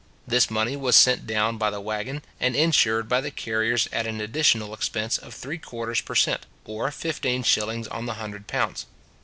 This money was sent down by the waggon, and insured by the carriers at an additional expense of three quarters per cent. or fifteen shillings on the hundred pounds.